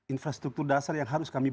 infrastruktur dasar yang harus kami